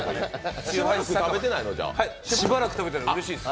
しばらく食べてない、うれしいです